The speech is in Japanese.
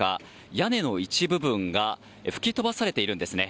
屋根の一部分が吹き飛ばされているんですね。